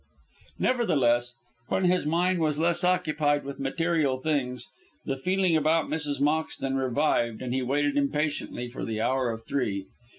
Nevertheless, when his mind was less occupied with material things, the feeling about Mrs. Moxton revived, and he waited impatiently for the hour of three.